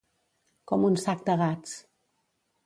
Com un sac de gats.